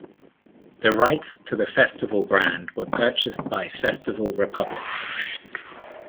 The rights to the festival brand were purchased by Festival Republic.